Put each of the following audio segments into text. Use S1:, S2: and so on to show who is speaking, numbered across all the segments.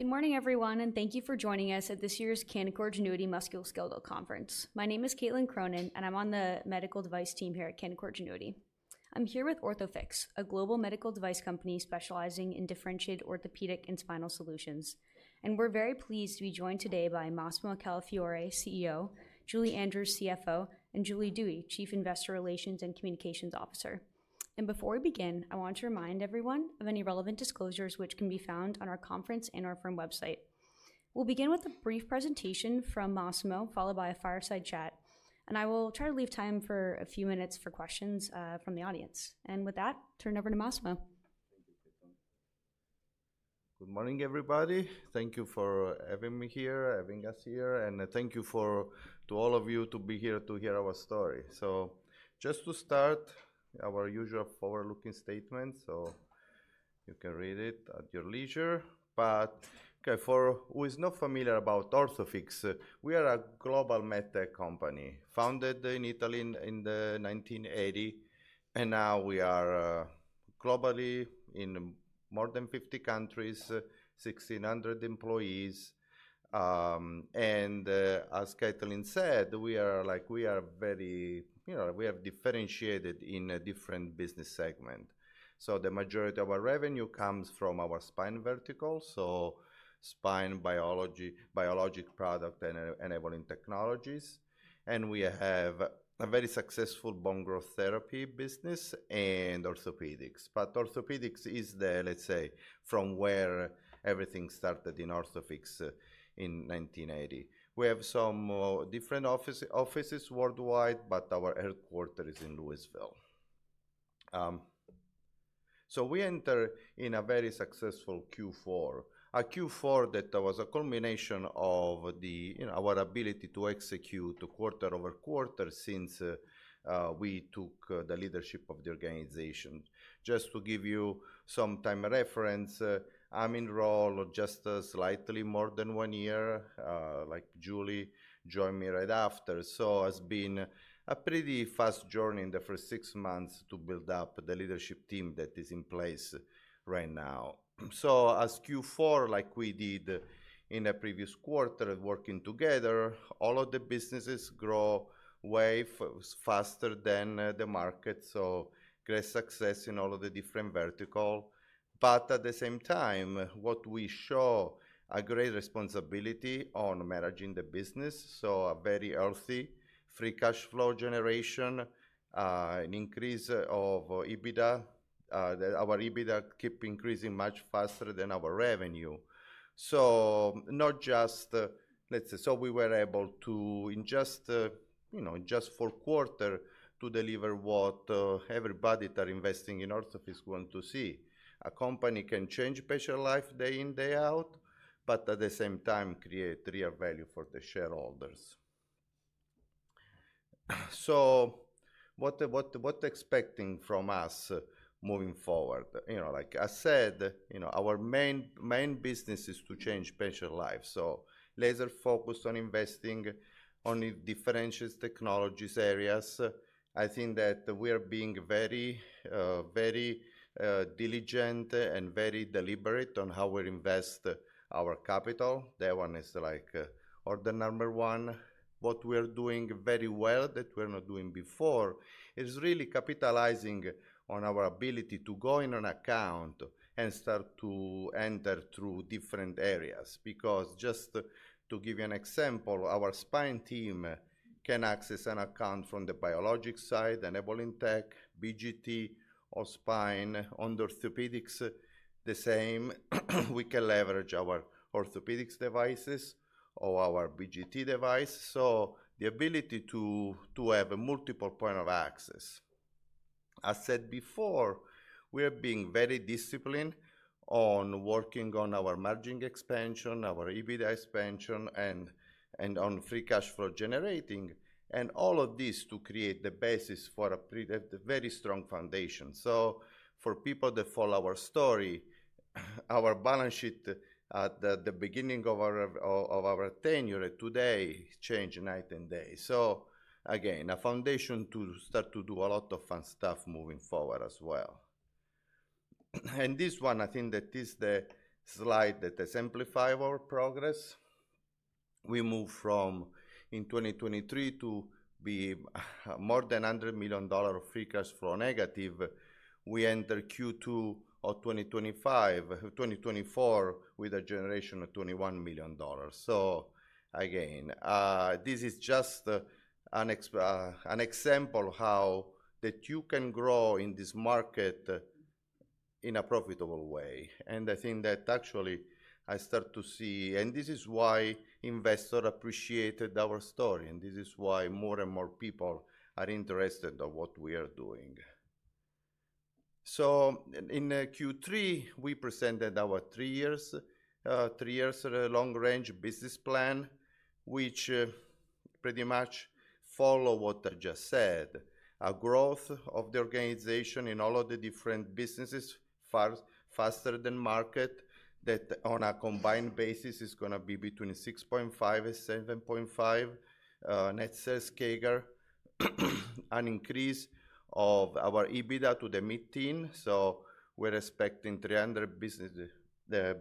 S1: Good morning, everyone, and thank you for joining us at this year's Canaccord Genuity Musculoskeletal Conference. My name is Caitlin Cronin, and I'm on the medical device team here at Canaccord Genuity. I'm here with Orthofix, a global medical device company specializing in differentiated orthopedic and spinal solutions. We are very pleased to be joined today by Massimo Calafiore, CEO; Julie Andrews, CFO; and Julie Dewey, Chief Investor Relations and Communications Officer. Before we begin, I want to remind everyone of any relevant disclosures, which can be found on our conference and our firm website. We will begin with a brief presentation from Massimo, followed by a fireside chat. I will try to leave time for a few minutes for questions from the audience. With that, I turn it over to Massimo.
S2: Thank you, Caitlin. Good morning, everybody. Thank you for having me here, having us here. Thank you to all of you to be here to hear our story. Just to start, our usual forward-looking statement, so you can read it at your leisure. For who is not familiar about Orthofix, we are a global med tech company founded in Italy in 1980. Now we are globally in more than 50 countries, 1,600 employees. As Caitlin said, we are very differentiated in different business segments. The majority of our revenue comes from our spine vertical, spine biology, biologic products, and enabling technologies. We have a very successful bone growth therapy business and orthopedics. Orthopedics is the, let's say, from where everything started in Orthofix in 1980. We have some different offices worldwide, but our headquarters is in Lewisville. We enter in a very successful Q4, a Q4 that was a culmination of our ability to execute quarter-over-quarter since we took the leadership of the organization. Just to give you some time reference, I'm in role just slightly more than one year, like Julie joined me right after. It's been a pretty fast journey in the first six months to build up the leadership team that is in place right now. As Q4, like we did in the previous quarter, working together, all of the businesses grow, way faster than the market, so great success in all of the different verticals. At the same time, what we show is a great responsibility on managing the business, so a very healthy free cash flow generation, an increase of EBITDA, that our EBITDA keeps increasing much faster than our revenue. Not just, let's say, we were able to, in just four quarters, deliver what everybody that is investing in Orthofix wants to see. A company can change patient life day in, day out, but at the same time, create real value for the shareholders. What to expect from us moving forward? Like I said, our main business is to change patient life. Laser-focused on investing on differentiated technologies areas. I think that we are being very diligent and very deliberate on how we invest our capital. That one is like order number one. What we are doing very well that we're not doing before is really capitalizing on our ability to go in an account and start to enter through different areas. Because just to give you an example, our spine team can access an account from the biologic side, enabling tech, BGT, or spine under orthopedics. The same, we can leverage our orthopedics devices or our BGT device. The ability to have multiple points of access. As I said before, we are being very disciplined on working on our margin expansion, our EBITDA expansion, and on free cash flow generating. All of this to create the basis for a very strong foundation. For people that follow our story, our balance sheet at the beginning of our tenure today changed night and day. A foundation to start to do a lot of fun stuff moving forward as well. This one, I think that is the slide that exemplifies our progress. We moved from, in 2023, to be more than $100 million of free cash flow negative. We entered Q2 of 2024 with a generation of $21 million. This is just an example of how you can grow in this market in a profitable way. I think that actually I start to see, and this is why investors appreciated our story. This is why more and more people are interested in what we are doing. In Q3, we presented our three-year long-range business plan, which pretty much follows what I just said, a growth of the organization in all of the different businesses faster than market, that on a combined basis is going to be between 6.5%-7.5% net sales figure, an increase of our EBITDA to the mid-teen. We are expecting 300 business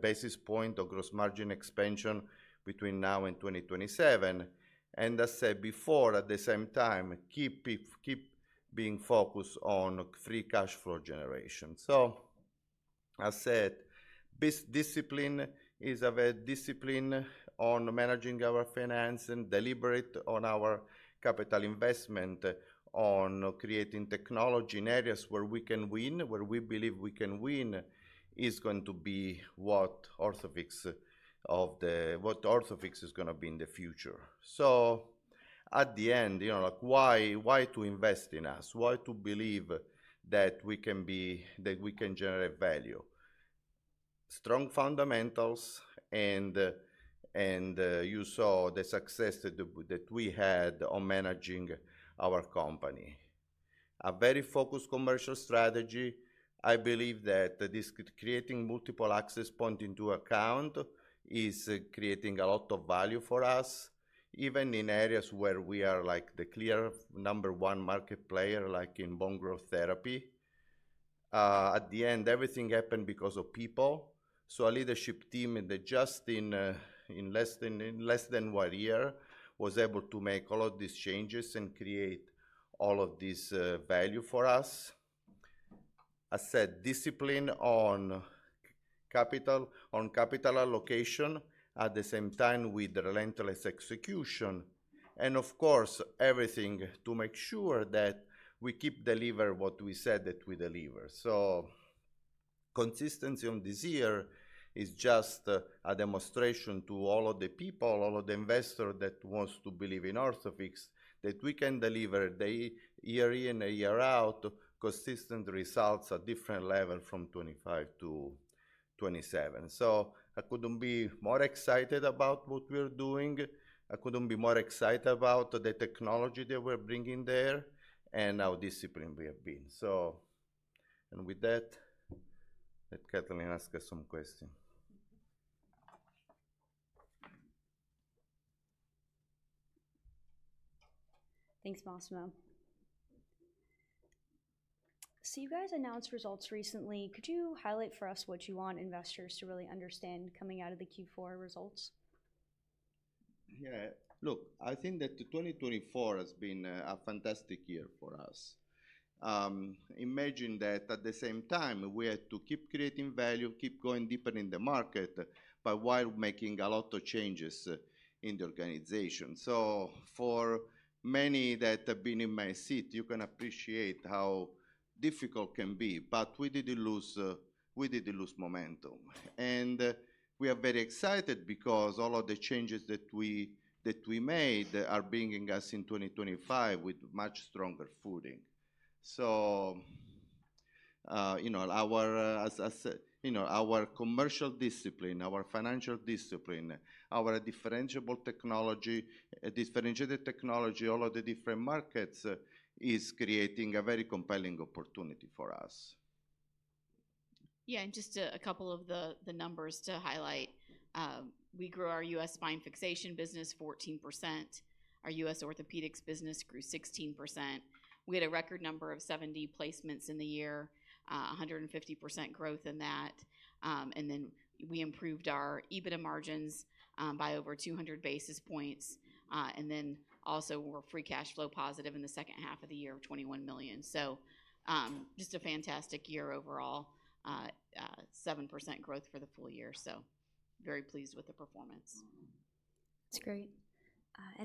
S2: basis points of gross margin expansion between now and 2027. As I said before, at the same time, keep being focused on free cash flow generation. This discipline is a discipline on managing our finance and deliberate on our capital investment on creating technology in areas where we can win, where we believe we can win, is going to be what Orthofix is going to be in the future. At the end, why to invest in us? Why to believe that we can generate value? Strong fundamentals. You saw the success that we had on managing our company. A very focused commercial strategy. I believe that this creating multiple access points into account is creating a lot of value for us, even in areas where we are like the clear number one market player, like in bone growth therapy. At the end, everything happened because of people. A leadership team that just in less than one year was able to make all of these changes and create all of this value for us. I said discipline on capital allocation at the same time with relentless execution. Of course, everything to make sure that we keep delivering what we said that we deliver. Consistency on this year is just a demonstration to all of the people, all of the investors that want to believe in Orthofix, that we can deliver year in and year out consistent results at different levels from 2025-2027. I couldn't be more excited about what we're doing. I couldn't be more excited about the technology that we're bringing there and how disciplined we have been. With that, let Caitlin ask us some questions.
S1: Thanks, Massimo. You guys announced results recently. Could you highlight for us what you want investors to really understand coming out of the Q4 results?
S2: Yeah. Look, I think that 2024 has been a fantastic year for us. Imagine that at the same time, we had to keep creating value, keep going deeper in the market, while making a lot of changes in the organization. For many that have been in my seat, you can appreciate how difficult it can be. We didn't lose momentum. We are very excited because all of the changes that we made are bringing us in 2025 with much stronger footing. Our commercial discipline, our financial discipline, our differentiable technology, differentiated technology, all of the different markets is creating a very compelling opportunity for us.
S3: Yeah. Just a couple of the numbers to highlight. We grew our U.S. spine fixation business 14%. Our U.S. orthopedics business grew 16%. We had a record number of 70 placements in the year, 150% growth in that. We improved our EBITDA margins by over 200 basis points. We were free cash flow positive in the second half of the year at $21 million. Just a fantastic year overall, 7% growth for the full year. Very pleased with the performance.
S1: That's great.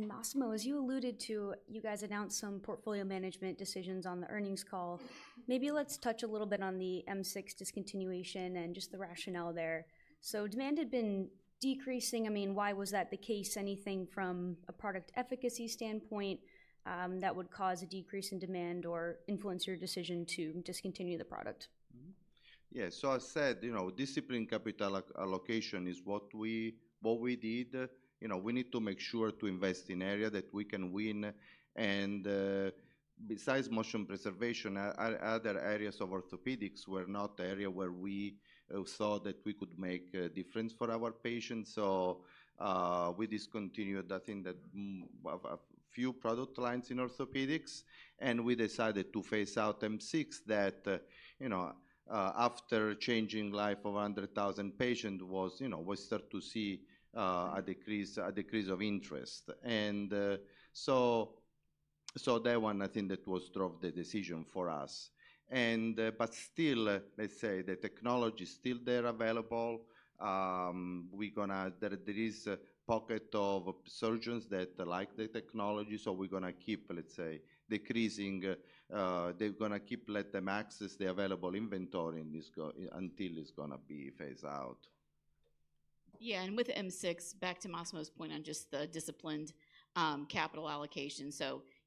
S1: Massimo, as you alluded to, you guys announced some portfolio management decisions on the earnings call. Maybe let's touch a little bit on the M6-C discontinuation and just the rationale there. Demand had been decreasing. I mean, why was that the case? Anything from a product efficacy standpoint that would cause a decrease in demand or influence your decision to discontinue the product?
S2: Yeah. I said disciplined capital allocation is what we did. We need to make sure to invest in areas that we can win. Besides motion preservation, other areas of orthopedics were not the area where we thought that we could make a difference for our patients. We discontinued, I think, a few product lines in orthopedics. We decided to phase out M6 that after changing life of 100,000 patients, we start to see a decrease of interest. That one, I think, that was what drove the decision for us. Still, the technology is still there available. There is a pocket of surgeons that like the technology. We are going to keep decreasing. They are going to keep letting them access the available inventory until it is going to be phased out.
S3: Yeah. With M6, back to Massimo's point on just the disciplined capital allocation.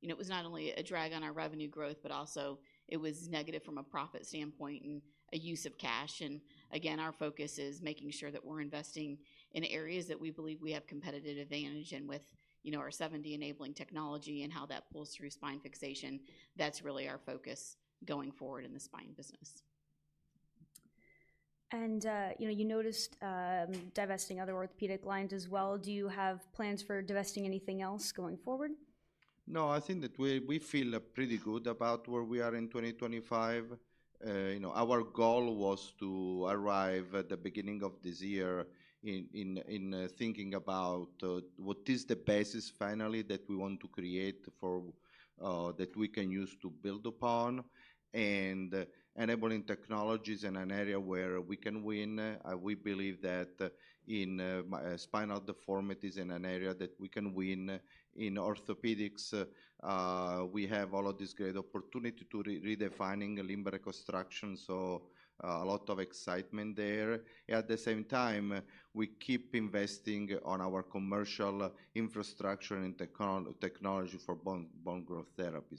S3: It was not only a drag on our revenue growth, but also it was negative from a profit standpoint and a use of cash. Again, our focus is making sure that we're investing in areas that we believe we have competitive advantage in with our 7D enabling technology and how that pulls through spine fixation. That's really our focus going forward in the spine business.
S1: You noticed divesting other orthopedic lines as well. Do you have plans for divesting anything else going forward?
S2: No, I think that we feel pretty good about where we are in 2025. Our goal was to arrive at the beginning of this year in thinking about what is the basis finally that we want to create that we can use to build upon and enabling technologies in an area where we can win. We believe that in spinal deformities in an area that we can win in orthopedics, we have all of this great opportunity to redefine lumbar reconstruction. A lot of excitement there. At the same time, we keep investing on our commercial infrastructure and technology for bone growth therapy.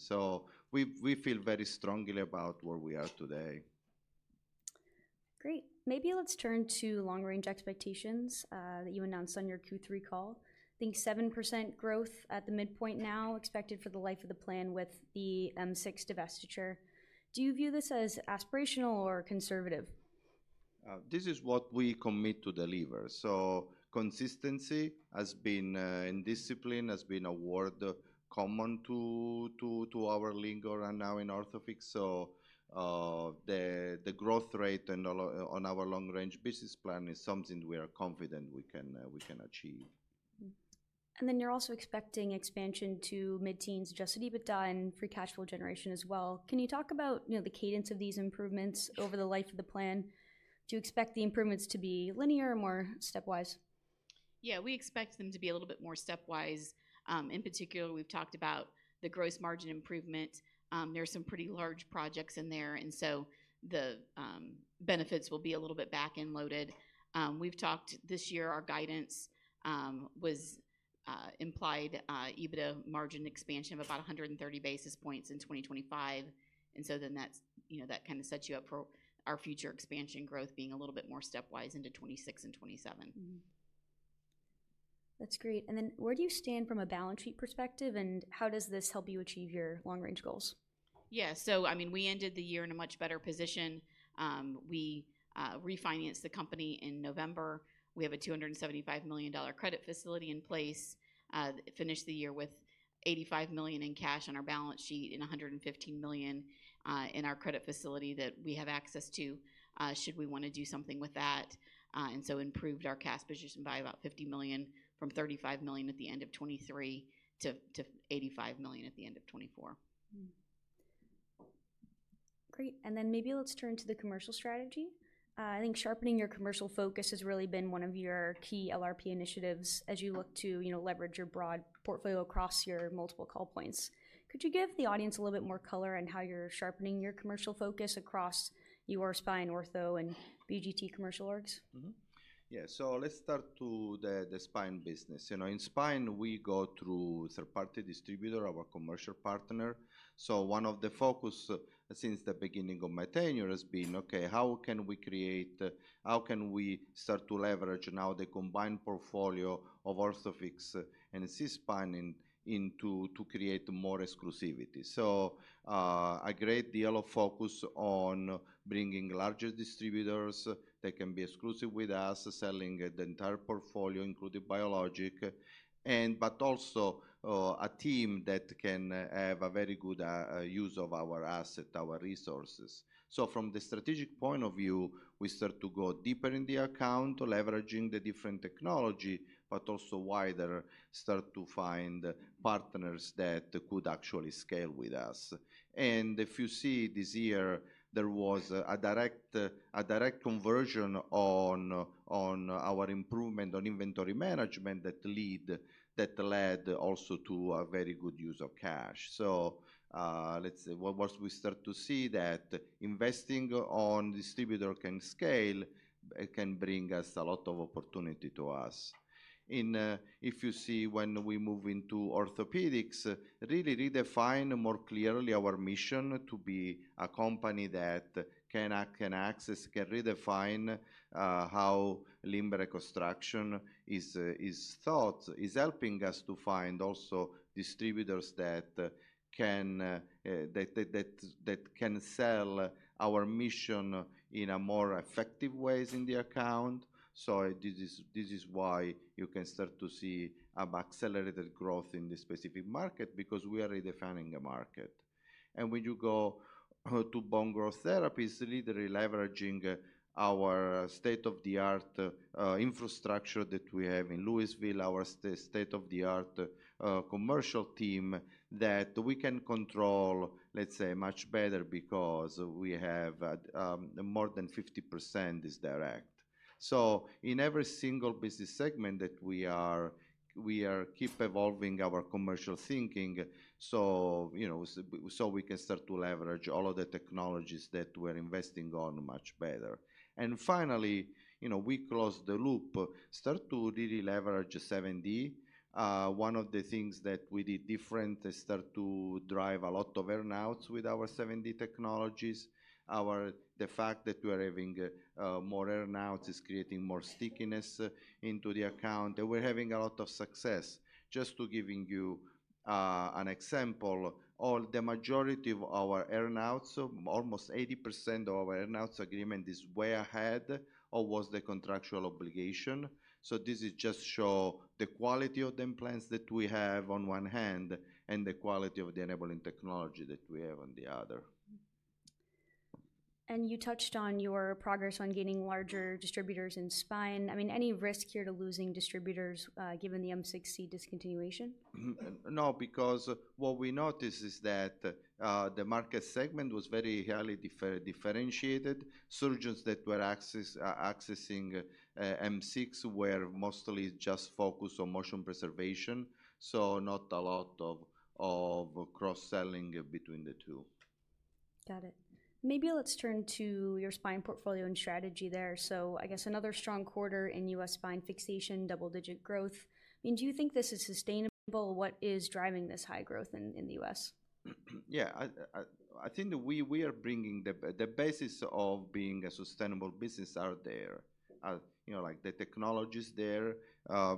S2: We feel very strongly about where we are today.
S1: Great. Maybe let's turn to long-range expectations that you announced on your Q3 call. I think 7% growth at the midpoint now expected for the life of the plan with the M6 divestiture. Do you view this as aspirational or conservative?
S2: This is what we commit to deliver. Consistency has been and discipline has been a word common to our lingo right now in Orthofix. The growth rate on our long-range business plan is something we are confident we can achieve.
S1: You're also expecting expansion to mid-teens, just EBITDA and free cash flow generation as well. Can you talk about the cadence of these improvements over the life of the plan? Do you expect the improvements to be linear or more stepwise?
S3: Yeah. We expect them to be a little bit more stepwise. In particular, we've talked about the gross margin improvement. There are some pretty large projects in there. The benefits will be a little bit back-end loaded. We've talked this year, our guidance was implied EBITDA margin expansion of about 130 basis points in 2025. That kind of sets you up for our future expansion growth being a little bit more stepwise into 2026 and 2027.
S1: That's great. Where do you stand from a balance sheet perspective? How does this help you achieve your long-range goals?
S3: Yeah. I mean, we ended the year in a much better position. We refinanced the company in November. We have a $275 million credit facility in place. Finished the year with $85 million in cash on our balance sheet and $115 million in our credit facility that we have access to should we want to do something with that. Improved our cash position by about $50 million from $35 million at the end of 2023 to $85 million at the end of 2024.
S1: Great. Maybe let's turn to the commercial strategy. I think sharpening your commercial focus has really been one of your key LRP initiatives as you look to leverage your broad portfolio across your multiple call points. Could you give the audience a little bit more color on how you're sharpening your commercial focus across your spine, ortho, and BGT commercial orgs?
S2: Yeah. Let's start to the spine business. In spine, we go through third-party distributor, our commercial partner. One of the focuses since the beginning of my tenure has been, okay, how can we create, how can we start to leverage now the combined portfolio of Orthofix and SeaSpine to create more exclusivity? A great deal of focus on bringing larger distributors that can be exclusive with us, selling the entire portfolio, including Biologic, but also a team that can have a very good use of our asset, our resources. From the strategic point of view, we start to go deeper in the account, leveraging the different technology, but also wider start to find partners that could actually scale with us. If you see this year, there was a direct conversion on our improvement on inventory management that led also to a very good use of cash. Let's say once we start to see that investing on distributor can scale, it can bring us a lot of opportunity to us. If you see when we move into orthopedics, really redefine more clearly our mission to be a company that can access, can redefine how lumbar reconstruction is thought, is helping us to find also distributors that can sell our mission in a more effective ways in the account. This is why you can start to see an accelerated growth in this specific market because we are redefining the market. When you go to bone growth therapies, literally leveraging our state-of-the-art infrastructure that we have in Lewisville, our state-of-the-art commercial team that we can control, let's say, much better because we have more than 50% is direct. In every single business segment that we are, we keep evolving our commercial thinking so we can start to leverage all of the technologies that we're investing on much better. Finally, we close the loop, start to really leverage 7D. One of the things that we did different is start to drive a lot of earnouts with our 7D technologies. The fact that we are having more earnouts is creating more stickiness into the account. We're having a lot of success. Just to give you an example, the majority of our earnouts, almost 80% of our earnouts agreement, is way ahead or was the contractual obligation. This just shows the quality of the implants that we have on one hand and the quality of the enabling technology that we have on the other.
S1: You touched on your progress on gaining larger distributors in spine. I mean, any risk here to losing distributors given the M6-C discontinuation?
S2: No, because what we noticed is that the market segment was very highly differentiated. Surgeons that were accessing M6 were mostly just focused on motion preservation. So not a lot of cross-selling between the two.
S1: Got it. Maybe let's turn to your spine portfolio and strategy there. I guess another strong quarter in US spine fixation, double-digit growth. I mean, do you think this is sustainable? What is driving this high growth in the U.S.?
S2: Yeah. I think that we are bringing the basis of being a sustainable business out there. The technology is there.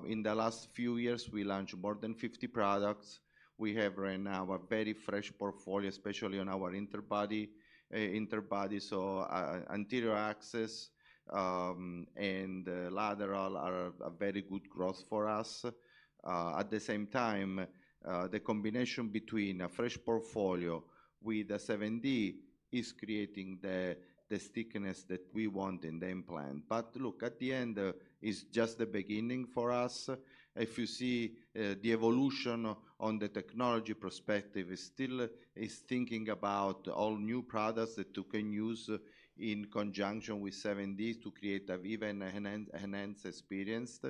S2: In the last few years, we launched more than 50 products. We have right now a very fresh portfolio, especially on our interbody. Anterior access and lateral are a very good growth for us. At the same time, the combination between a fresh portfolio with a 7D is creating the stickiness that we want in the implant. Look, at the end, it's just the beginning for us. If you see the evolution on the technology perspective, it's still thinking about all new products that you can use in conjunction with 7D to create an even enhanced experience.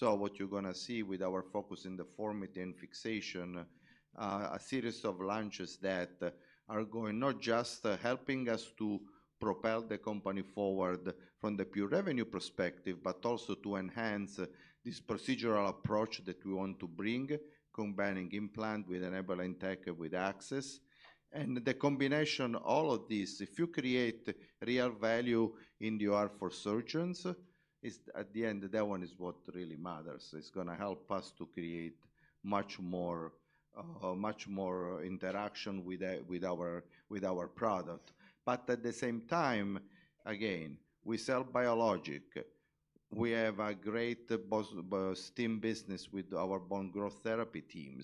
S2: What you're going to see with our focus in the deformity and fixation, a series of launches that are going not just helping us to propel the company forward from the pure revenue perspective, but also to enhance this procedural approach that we want to bring, combining implant with enabling tech with access. The combination of all of these, if you create real value in the art for surgeons, at the end, that one is what really matters. It's going to help us to create much more interaction with our product. At the same time, again, we sell Biologics. We have a great stim business with our bone growth therapy team.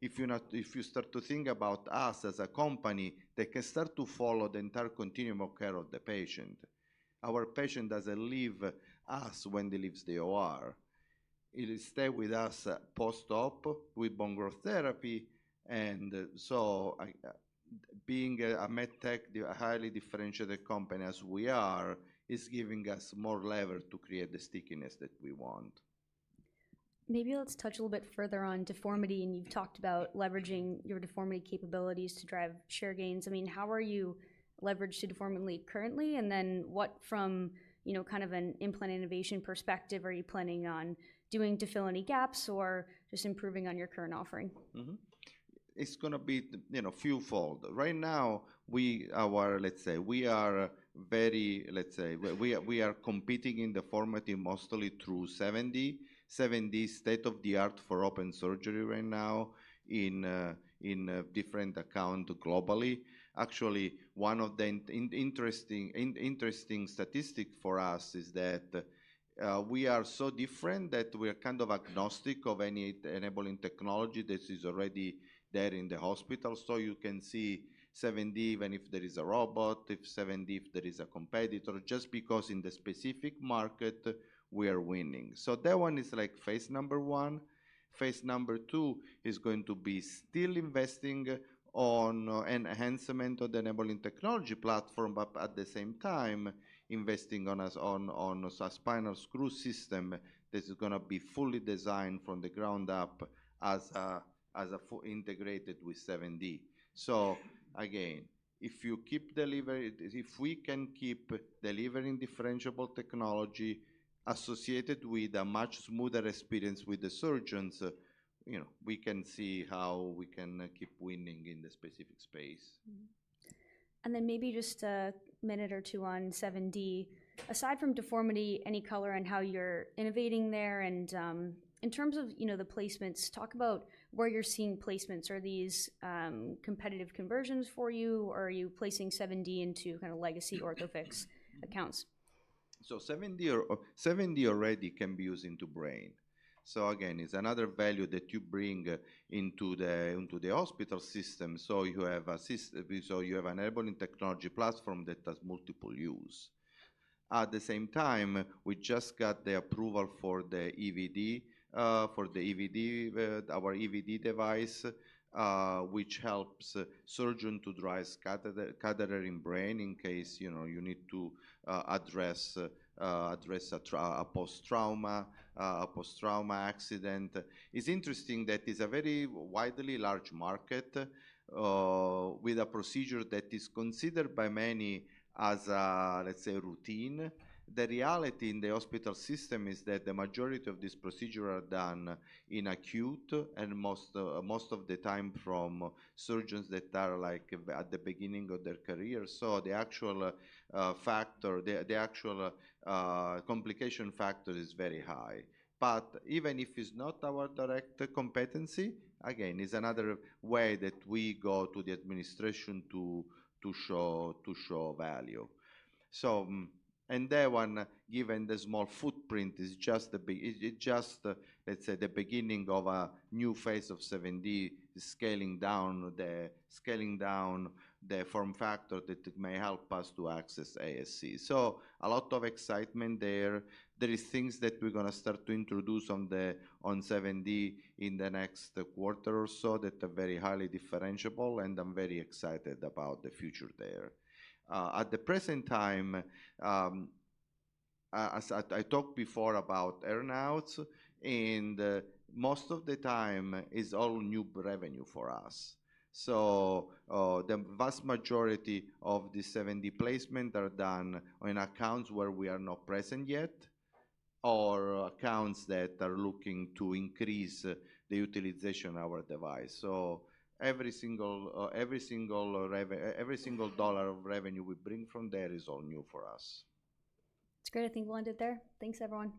S2: If you start to think about us as a company that can start to follow the entire continuum of care of the patient, our patient doesn't leave us when they leave the OR. It stays with us post-op with bone growth therapy. Being a med tech, a highly differentiated company as we are, is giving us more lever to create the stickiness that we want.
S1: Maybe let's touch a little bit further on deformity. You've talked about leveraging your deformity capabilities to drive share gains. I mean, how are you leveraged to deformity currently? What from kind of an implant innovation perspective are you planning on doing to fill any gaps or just improving on your current offering?
S2: It's going to be few-fold. Right now, let's say we are very, let's say we are competing in the deformity mostly through 7D. 7D is state-of-the-art for open surgery right now in different accounts globally. Actually, one of the interesting statistics for us is that we are so different that we are kind of agnostic of any enabling technology that is already there in the hospital. So you can see 7D, even if there is a robot, if 7D, if there is a competitor, just because in the specific market, we are winning. So that one is like phase number one. Phase number two is going to be still investing on enhancement of the enabling technology platform, but at the same time, investing on a spinal screw system that is going to be fully designed from the ground up as integrated with 7D. If we can keep delivering differentiable technology associated with a much smoother experience with the surgeons, we can see how we can keep winning in the specific space.
S1: Maybe just a minute or two on 7D. Aside from deformity, any color on how you're innovating there? In terms of the placements, talk about where you're seeing placements. Are these competitive conversions for you, or are you placing 7D into kind of legacy Orthofix accounts?
S2: 7D already can be used into brain. Again, it's another value that you bring into the hospital system. You have an enabling technology platform that has multiple use. At the same time, we just got the approval for the EVD, our EVD device, which helps surgeons to drive catheter in brain in case you need to address a post-trauma, a post-trauma accident. It's interesting that it's a very widely large market with a procedure that is considered by many as a, let's say, routine. The reality in the hospital system is that the majority of these procedures are done in acute and most of the time from surgeons that are at the beginning of their career. The actual complication factor is very high. Even if it's not our direct competency, again, it's another way that we go to the administration to show value. That one, given the small footprint, is just, let's say, the beginning of a new phase of 7D, scaling down the form factor that may help us to access ASC. A lot of excitement there. There are things that we're going to start to introduce on 7D in the next quarter or so that are very highly differentiable, and I'm very excited about the future there. At the present time, I talked before about earnouts, and most of the time it's all new revenue for us. The vast majority of the 7D placements are done in accounts where we are not present yet or accounts that are looking to increase the utilization of our device. Every single dollar of revenue we bring from there is all new for us.
S1: It's great. I think we'll end it there. Thanks, everyone.